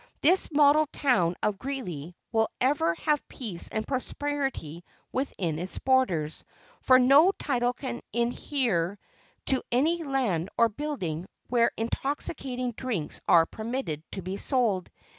This model town of Greeley will ever have peace and prosperity within its borders; for no title can inhere to any land or building where intoxicating drinks are permitted to be sold.